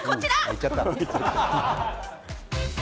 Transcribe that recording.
行っちゃった。